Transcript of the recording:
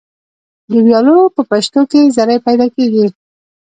د ویالو په پشتو کې زرۍ پیدا کیږي.